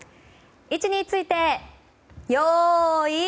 位置について、よーい。